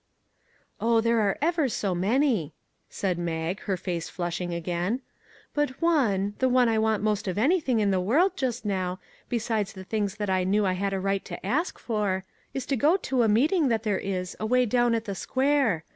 " Oh, there are ever so many," said Mag, her face flushing again ;" but one, the one I want most of anything in the world, just now, besides the things that I knew I had a right to ask for, is to go to a meeting that there is away down at the square.